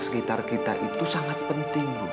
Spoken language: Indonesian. sekitar kita itu sangat penting bu